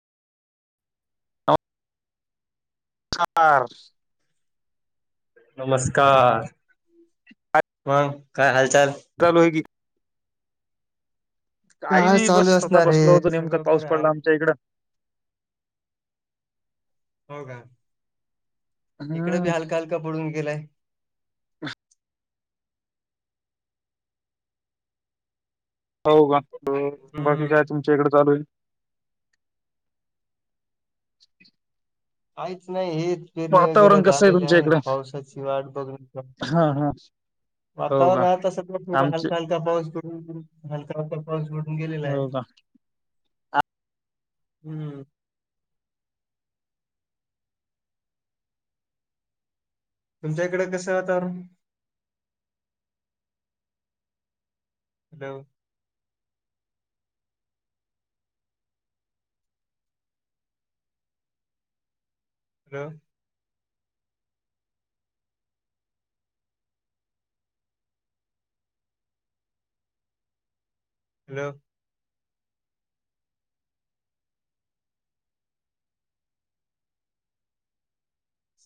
चार नमस्कार मग काय हालचाल. चालू हार की काही नाही बस स्वतः बसल होतं नेमकं पाऊस पडला आमच्या इकडं. हो का इकड बी हलका हलका पडून गेलाय. हो का बाकी काय तुमच्या इकडे चालू आहेल. ह् [unintelligible] काहीच नाही हे. पेरणी वगैरे झालेली आहे. पावसाची वाट बघत बसलो. वातावरण आहेह तसं थोडं हलकं हलकं. हलका पाऊस पडून हलका हलका पाऊस पडून गेलेला आहे. हम्म. तुमच्या इकडं कसं वातावरण? हॅलो. हॅलो. हॅलो